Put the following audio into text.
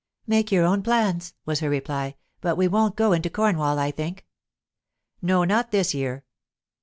"Make your own plans," was her reply. "But we won't go into Cornwall, I think." "No, not this year."